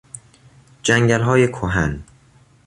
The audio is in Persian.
جنگلهای کهن